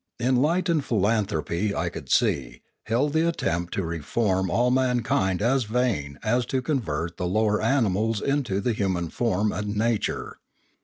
Enlightened philanthropy, I could see, held the attempt to reform all mankind as vain as to convert the lower animals into the human form and nature.